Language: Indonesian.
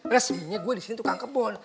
resminya gue disini tukang kebun